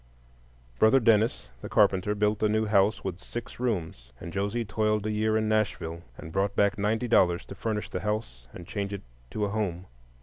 Brother Dennis, the carpenter, built a new house with six rooms; Josie toiled a year in Nashville, and brought back ninety dollars to furnish the house and change it to a home.